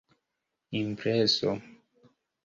impreso